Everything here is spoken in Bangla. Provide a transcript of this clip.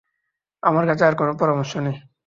আমার কাছে আর কোনো পরামর্শ নেই।